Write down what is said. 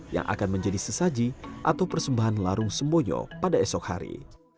yang akan menjadi sesaji atau persembahan larung sembonyo pada esok hari